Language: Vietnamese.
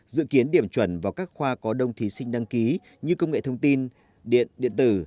dự kiến điểm chuẩn vào các khoa có đông thí sinh đăng ký như công nghệ thông tin điện điện tử